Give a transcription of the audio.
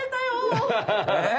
えっ？